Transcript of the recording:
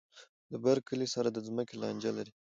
له بر کلي سره د ځمکې لانجه لري.